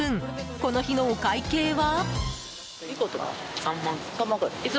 この日のお会計は？